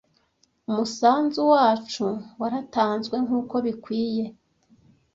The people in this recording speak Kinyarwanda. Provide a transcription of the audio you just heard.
umusanzu wacu waratanzwe nkuko bikwiye